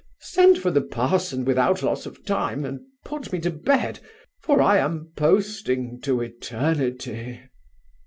Send for the parson without loss of time, and put me to bed, for I am posting to eternity.